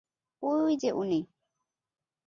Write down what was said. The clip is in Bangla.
ওই যে উনি!